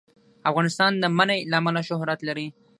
افغانستان د منی له امله شهرت لري.